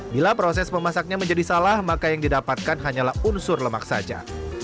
bila proses memasaknya menjadi salah maka yang didapatkan hanyalah unsur lemak saja